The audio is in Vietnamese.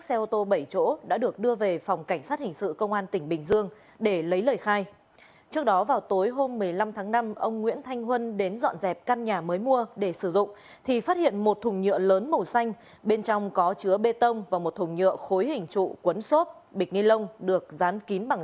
xin chào các bạn